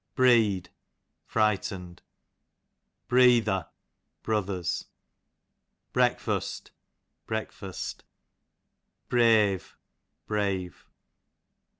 Breed, frightened. Breether, btvthers. Brekfust, breakfast. Breve, brave.